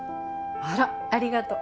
あらありがとう。